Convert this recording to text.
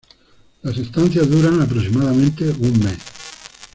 Las estancias duran aproximadamente un mes.